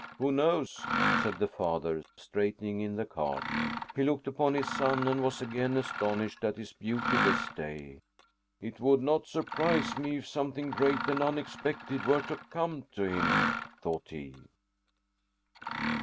"Who knows?" said the father, straightening in the cart. He looked upon his son and was again astonished at his beauty this day. "It would not surprise me if something great and unexpected were to come to him," thought he.